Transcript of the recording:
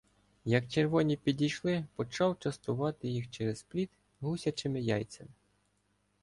Як червоні підійшли, почав частувати їх через пліт "гусячими яйцями".